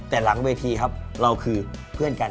แต่หลังเวทีครับเราคือเพื่อนกัน